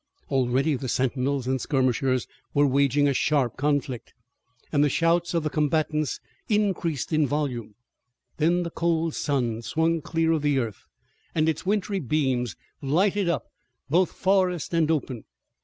Already the sentinels and skirmishers were waging a sharp conflict, and the shouts of the combatants increased in volume. Then the cold sun swung clear of the earth, and its wintry beams lighted up both forest and open.